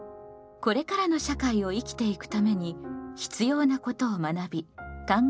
これからの社会を生きていくために必要なことを学び考える「公共」。